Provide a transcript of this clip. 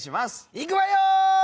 いくわよ！